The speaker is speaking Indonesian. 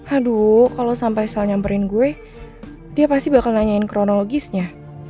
aduh kalau sampai salah nyamperin gue dia pasti bakal nanyain kronologisnya